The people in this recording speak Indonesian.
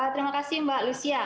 terima kasih mbak lucia